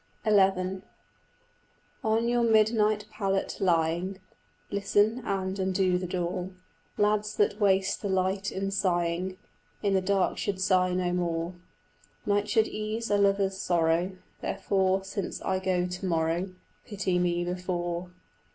XI On your midnight pallet lying Listen, and undo the door: Lads that waste the light in sighing In the dark should sigh no more; Night should ease a lover's sorrow; Therefore, since I go to morrow; Pity me before.